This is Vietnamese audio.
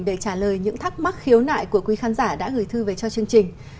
để trả lời những thắc mắc khiếu nại của quý khán giả đã gửi thư về cho chương trình